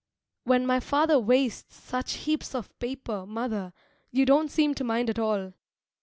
When my father wastes such heaps of paper, mother, you don't seem to mind at all.